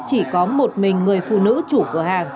chỉ có một mình người phụ nữ chủ cửa hàng